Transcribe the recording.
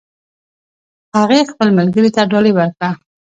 هغې خپل ملګري ته ډالۍ ورکړه